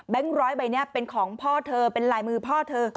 ร้อยใบนี้เป็นของพ่อเธอเป็นลายมือพ่อเธอ